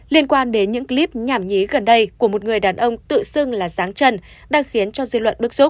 liên quan đến những clip nhảm nhí gần đây của một người đàn ông tự xưng là ráng chân đang khiến cho dư luận bức xúc